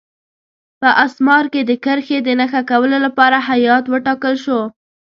په اسمار کې د کرښې د نښه کولو لپاره هیات وټاکل شو.